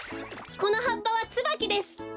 このはっぱはつばきです。